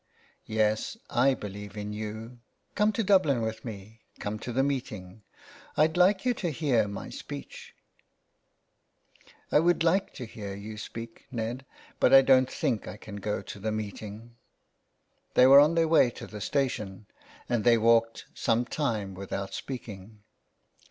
''" Yes, I believe in you. Come to Dublin with me ; come to the meeting. I'd like you to hear my speech." 373 THE WILD GOOSE. *' I would like to hear you speak, Ned ; but I don't think I can go to the meeting." They were on their way to the station, and they walked some time without speaking.